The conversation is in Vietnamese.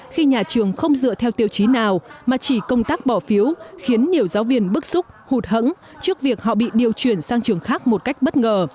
khi nhà trường không dựa theo tiêu chí nào mà chỉ công tác bỏ phiếu khiến nhiều giáo viên bức xúc hụt hẫng trước việc họ bị điều chuyển sang trường khác một cách bất ngờ